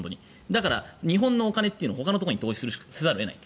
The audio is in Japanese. だから日本のお金はほかに投資せざるを得ない。